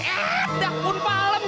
eh dah pun palem